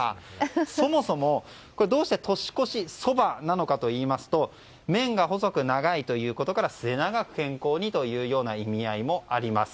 そもそも、どうして年越しそばなのかといいますと麺が細く長いということから末永く健康にというような意味合いもあります。